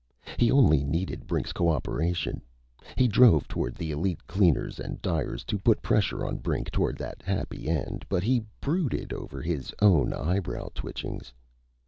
He only needed Brink's co operation. He drove toward the Elite Cleaners and Dyers to put pressure on Brink toward that happy end. But he brooded over his own eyebrow twitchings.